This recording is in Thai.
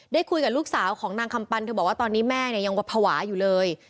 ได้คุยกับลูกสาวของนางคำปันเธอบอกว่าตอนนี้แม่เนี่ยยังภาวะอยู่เลย